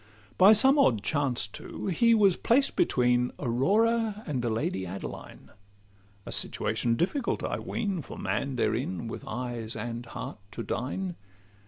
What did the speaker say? By some odd chance too, he was placed between Aurora and the Lady Adeline— A situation difficult, I ween, For man therein, with eyes and heart, to dine.